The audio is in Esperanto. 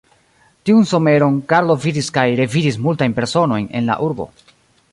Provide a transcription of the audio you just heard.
Tiun someron Karlo vidis kaj revidis multajn personojn en la urbo.